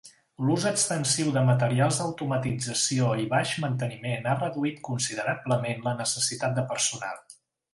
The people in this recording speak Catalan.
L'ús extensiu de materials d'automatització i baix manteniment ha reduït considerablement la necessitat de personal.